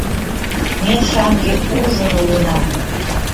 Ме шаҥге ужын улына.